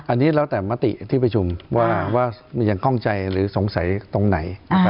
อันนี้แล้วแต่มติที่ประชุมว่ายังคล่องใจหรือสงสัยตรงไหน